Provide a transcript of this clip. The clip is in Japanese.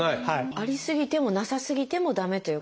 ありすぎてもなさすぎても駄目ということですね。